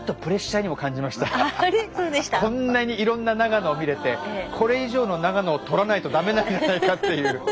こんなにいろんな長野を見れてこれ以上の長野を撮らないとダメなんじゃないかっていう。